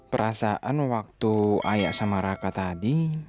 perasaan waktu ayah sama raka tadi